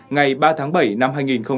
ngày ba tháng bảy năm hai nghìn hai mươi